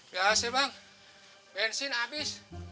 biasa bang bensin abis